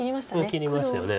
うん切りますよね。